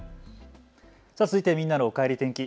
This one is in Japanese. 続いてみんなのおかえり天気。